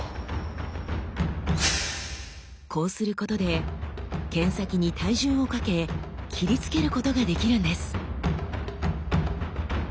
こうすることで剣先に体重をかけ斬りつけることができるんです。